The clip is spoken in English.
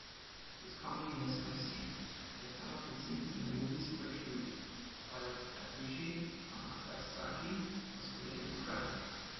It is commonly misconceived, that some of the scenes in the movies were shoot, while Atsushi Amagasaki was committing the crime.